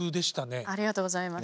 ありがとうございます。